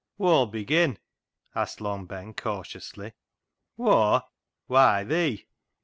"Whoa'll begin?" asked Long Ben cautiously. " Whoa ? Why, thee."